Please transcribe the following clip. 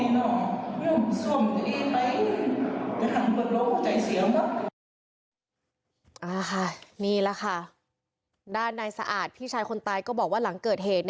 นี่ค่ะนี่แหละค่ะด้านนายสะอาดพี่ชายคนตายก็บอกว่าหลังเกิดเหตุ